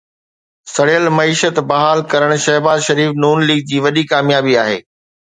سڙيل معيشت بحال ڪرڻ شهباز شريف ن ليگ جي وڏي ڪاميابي آهي